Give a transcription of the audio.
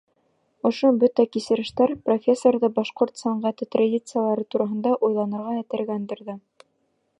Ошо бөтә кисерештәр профессорҙы башҡорт сәнғәте традициялары тураһында уйланыуға этәргәндер ҙә.